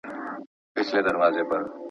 منفي فکرونه انسان په تیاره کې ساتي.